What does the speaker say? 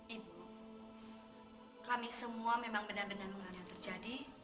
ibu kami semua benar benar mengalami hal yang terjadi